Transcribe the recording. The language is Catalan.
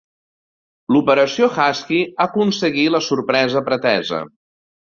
L'Operació Husky aconseguí la sorpresa pretesa.